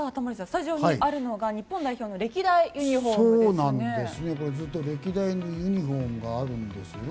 スタジオにあるのが日本代表の歴代ユニホームなんですね。